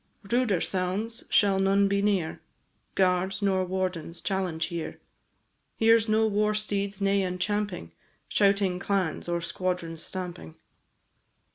Ruder sounds shall none be near, Guards nor wardens challenge here; Here 's no war steed's neigh and champing, Shouting clans, or squadrons' stamping.